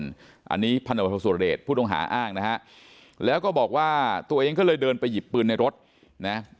อันนี้พันธบทสุรเดชผู้ต้องหาอ้างนะฮะแล้วก็บอกว่าตัวเองก็เลยเดินไปหยิบปืนในรถนะ